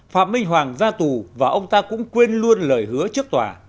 phạm minh hoàng ra tù và ông ta cũng quên luôn lời hứa trước tòa